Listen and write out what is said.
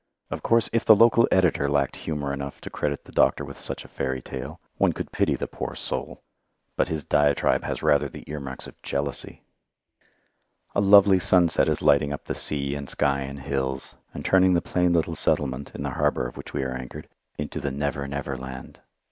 Of course, if the local editor lacked humour enough to credit the doctor with such a fairy tale, one could pity the poor soul, but his diatribe has rather the earmarks of jealousy. [Illustration: THE BEAR BIT HIS LEG OFF] A lovely sunset is lighting up the sea and sky and hills, and turning the plain little settlement, in the harbour of which we are anchored, into the Never, Never Land.